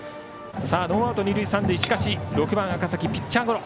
ノーアウト、二塁三塁しかし６番、赤嵜ピッチャーゴロ。